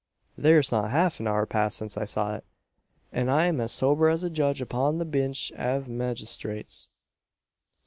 "Thare's not half an hour passed since I saw it; an I'm as sober as a judge upon the binch av magistrates.